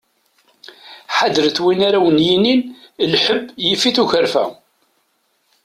Ḥader-t win ara awen-yinin lḥeb yif-it ukerfa!